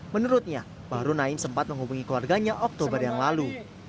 menurutnya bahru naim sempat menghubungi keluarganya oktober yang lalu